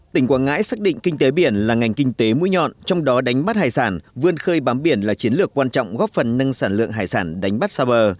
tỉnh quảng ngãi xác định kinh tế biển là ngành kinh tế mũi nhọn trong đó đánh bắt hải sản vươn khơi bám biển là chiến lược quan trọng góp phần nâng sản lượng hải sản đánh bắt xa bờ